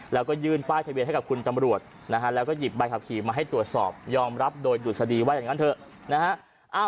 แล้วก็ยื่นป้ายทะเบียนให้กับคุณตำรวจนะฮะแล้วก็หยิบใบขับขี่มาให้ตรวจสอบยอมรับโดยดุษฎีว่าอย่างนั้นเถอะนะฮะ